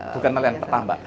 bukan nelayan petambak